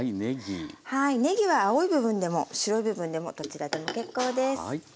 ねぎは青い部分でも白い部分でもどちらでも結構です。